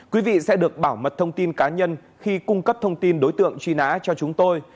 quý vị sẽ được bảo mật thông tin cá nhân khi cung cấp thông tin đối tượng truy nã cho chúng tôi